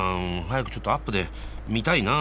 早くちょっとアップで見たいな。